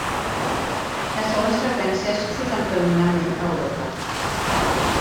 Les següents freqüències s'usen predominantment a Europa.